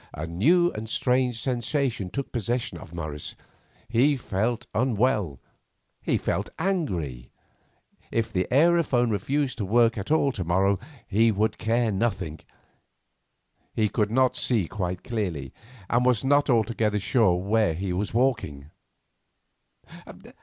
A new and strange sensation took possession of Morris. He felt unwell; he felt angry; if the aerophone refused to work at all to morrow, he would care nothing. He could not see quite clearly, and was not altogether sure where he was walking.